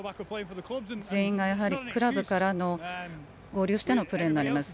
全員がクラブから合流してのプレーになります。